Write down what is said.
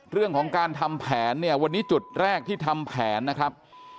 เรื่องของการทำแผนเนี่ยวันนี้จุดแรกที่ทำแผนนะครับ